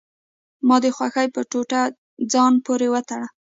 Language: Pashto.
ما د غوښې په ټوټه ځان پورې وتړه.